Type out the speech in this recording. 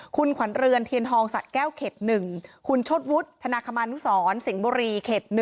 คุณขวัญเรือนเทียนทองสะแก้วเขต๑คุณชดวุฒิธนาคมานุสรสิงห์บุรีเขต๑